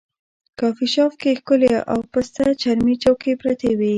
کافي شاپ کې ښکلې او پسته چرمي چوکۍ پرتې وې.